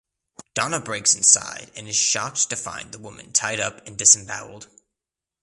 Donna breaks inside and is shocked to find the woman tied up and disembowelled.